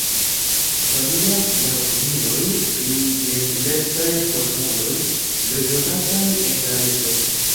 Varias la opinioj pri ĝentilecaj formuloj bezonataj en la reto.